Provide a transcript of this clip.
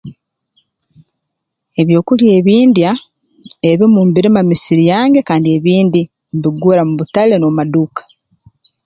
Ebyokulya ebi ndya ebimu mbirima mu musiri gwange kandi ebindi mbigura mu butale n'omu maduuka